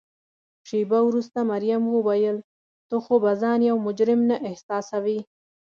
شیبه وروسته مريم وویل: ته خو به ځان یو مجرم نه احساسوې؟